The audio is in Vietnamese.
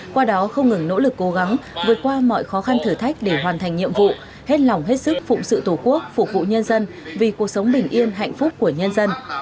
qua đó không ngừng nỗ lực cố gắng vượt qua mọi khó khăn thử thách để hoàn thành nhiệm vụ hết lòng hết sức phụng sự tổ quốc phục vụ nhân dân vì cuộc sống bình yên hạnh phúc của nhân dân